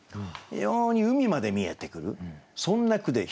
非常に海まで見えてくるそんな句で。